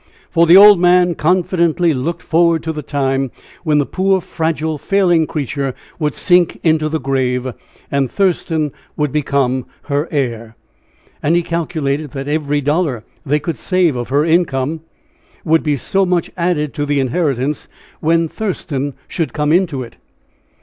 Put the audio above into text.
For the old man confidently looked forward to the time when the poor, fragile, failing creature would sink into the grave, and Thurston would become her heir. And he calculated that every dollar they could save of her income would be so much added to the inheritance when Thurston should come into it.